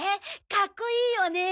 かっこいいよね。